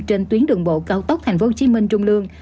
trên tuyến đường bộ cao tốc tp hcm trung lương